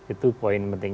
itu poin penting